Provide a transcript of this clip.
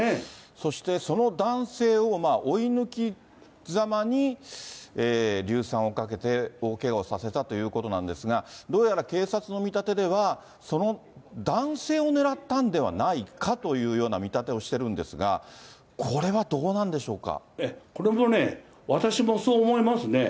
そしてその男性を追い抜きざまに硫酸をかけて大けがをさせたということなんですが、どうやら警察の見立てでは、その男性を狙ったんではないかという見立てをしてるんですが、ここれもね、私もそう思いますね。